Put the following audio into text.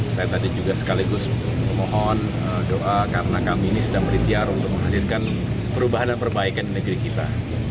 saya tadi juga sekaligus memohon doa karena kami ini sedang berikhtiar untuk menghadirkan perubahan dan perbaikan di negeri kita